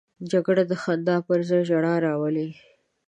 جګړه د خندا پر ځای ژړا راولي